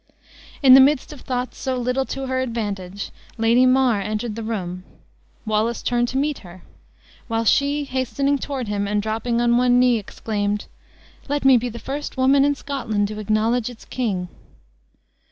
In the midst of thoughts so little to her advantage, Lady Mar entered the room. Wallace turned to meet her; while she, hastening toward him, and dropping on one knee, exclaimed, "Let me be the first woman in Scotland to acknowledge its king!"